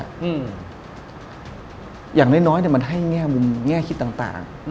อย่างน้อยเนี่ยมันให้แง่มุมแง่คิดต่าง